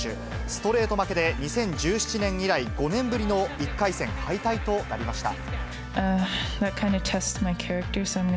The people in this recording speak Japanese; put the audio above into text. ストレート負けで、２０１７年以来、５年ぶりの１回戦敗退となりました。